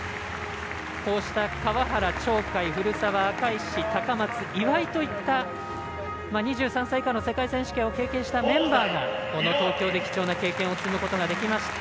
こうした川原、鳥海、古澤赤石、高松、岩井といった２３歳以下の世界選手権を経験したメンバーがこの東京で貴重な経験を積むことができました。